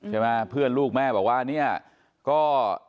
คุณแม่บอกว่าโทร